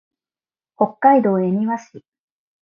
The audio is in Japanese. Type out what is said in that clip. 北海道恵庭市